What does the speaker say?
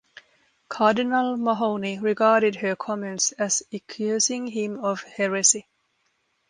Cardinal Mahony regarded her comments as accusing him of heresy.